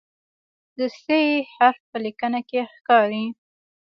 د "ث" حرف په لیکنه کې ښکاري.